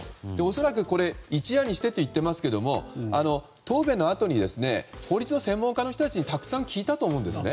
恐らく、一夜にしてと言っていますけど答弁のあとに法律の専門家の人たちにたくさん聞いたと思うんですね。